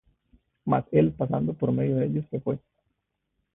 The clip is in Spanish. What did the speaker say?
Mas él, pasando por medio de ellos, se fué.